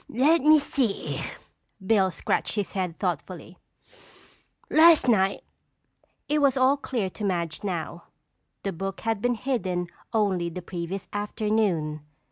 "Lemme see," Bill scratched his head thoughtfully. "Las' night." It was all clear to Madge now. The book had been hidden only the previous afternoon.